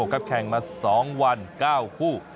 แข่งมา๒วัน๙คู่